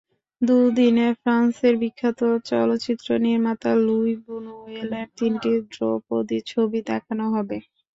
দুদিনে ফ্রান্সের বিখ্যাত চলচ্চিত্র নির্মাতা লুই বুনুয়েলের তিনটি ধ্রুপদি ছবি দেখানো হবে।